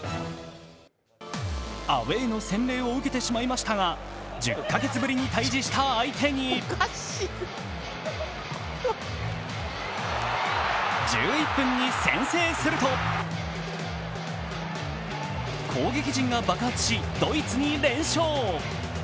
アウェーの洗礼を受けてしまいましたが１０か月ぶりに対峙した相手に１１分に先制すると、攻撃陣が爆発し、ドイツに連勝。